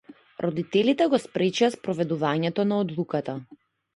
Родителите го спречија спроведувањето на одлуката.